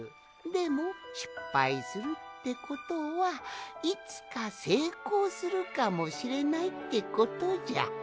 でもしっぱいするってことはいつかせいこうするかもしれないってことじゃ。